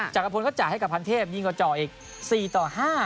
จักรพลเขาจ่ายให้กับพันเทพยิงกับจ่ออีก